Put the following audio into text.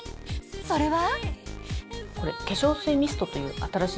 それは。